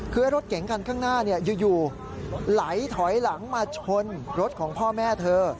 คือรถเก๋งคันข้างหน้าอยู่ไหลถอยหลังมาชนรถของพ่อแม่เธอ